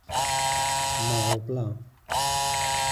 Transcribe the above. Μα όπλα;